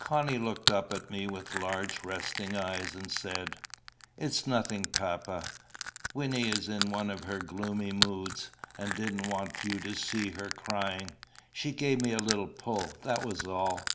Connie looked up at me with large resting eyes, and said "It's nothing, papa, Wynnie is in one of her gloomy moods, and didn't want you to see her crying. She gave me a little pull, that was all.